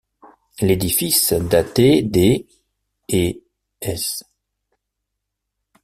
L'édifice datait des et s.